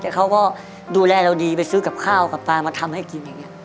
แต่เขาก็ดูแลเราดีไปซื้อกับข้าวกับปลามาทำให้กินอย่างนี้